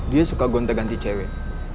dia suka gonte ganti cewek